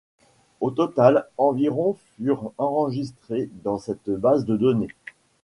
Au total environ furent enregistrées dans cette base de données.